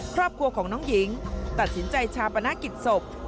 ครอบครัวของน้องหญิงตัดสินใจชาปนกิจศพ